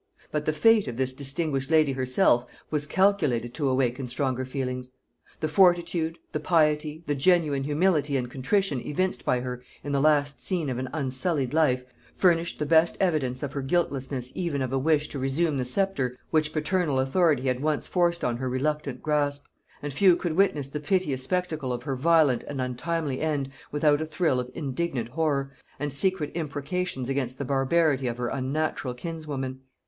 But the fate of this distinguished lady herself was calculated to awaken stronger feelings. The fortitude, the piety, the genuine humility and contrition evinced by her in the last scene of an unsullied life, furnished the best evidence of her guiltlessness even of a wish to resume the sceptre which paternal authority had once forced on her reluctant grasp; and few could witness the piteous spectacle of her violent and untimely end, without a thrill of indignant horror, and secret imprecations against the barbarity of her unnatural kinswoman.